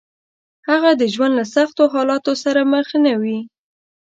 هغه د ژوند له سختو حالاتو سره مخ نه وي.